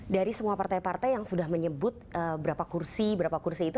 dari semua partai partai yang sudah menyebut berapa kursi berapa kursi itu